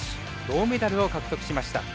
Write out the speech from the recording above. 銅メダルを獲得しました。